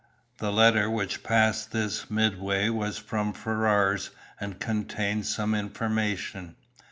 The letter which passed this midway was from Ferrars, and contained some information.